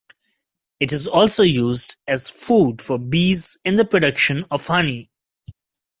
It is also used as food for bees in the production of honey.